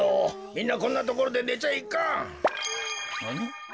みんなこんなところでねちゃいかん。